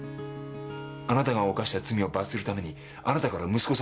あなたが犯した罪を罰するためにあなたから息子さんを奪った。